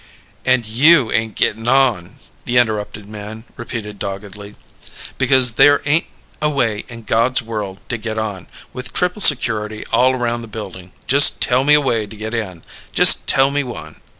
"And you ain't getting on," the interrupted man repeated doggedly, "because there ain't a way in God's world to get on. With triple security all around the building, just tell me a way to get in. Just tell me one."